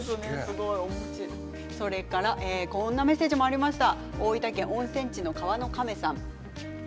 こんなメッセージもありました。